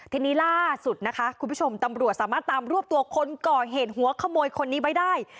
ทีนี้ล่าสุดนะคะคุณผู้ชมตำรวจสามารถตามรวบตัวคนก่อเหตุหัวขโมยคนนี้ไว้ได้